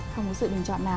không có sự bình chọn nào ạ